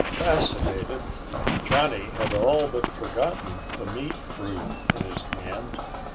Fascinated, Johnny had all but forgotten the meat fruit in his hand.